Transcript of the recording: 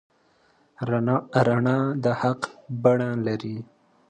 رڼا د حق بڼه لري.